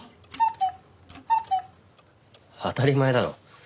当たり前だろ。